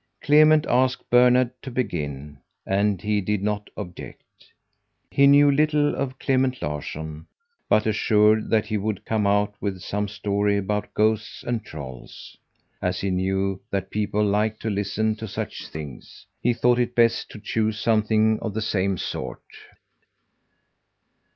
Clement asked Bernhard to begin, and he did not object. He knew little of Clement Larsson, but assumed that he would come out with some story about ghosts and trolls. As he knew that people liked to listen to such things, he thought it best to choose something of the same sort.